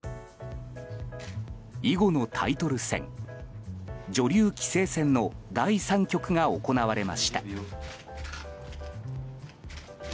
囲碁のタイトル戦女流棋聖戦の第３局が行われました。